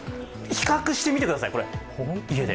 比較してみてください、家で。